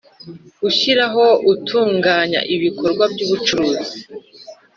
Gushyiraho utunganya ibikorwa by ubucuruzi